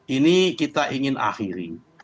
ini kita ingin akhiri